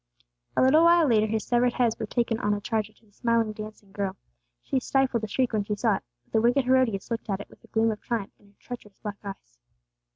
A little while later his severed head was taken on a charger to the smiling dancing girl. She stifled a shriek when she saw it; but the wicked Herodias looked at it with a gleam of triumph in her treacherous black eyes.